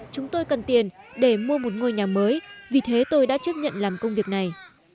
chúng tôi cần tiền để mua một ngôi nhà mới vì thế tôi đã chấp nhận làm công việc này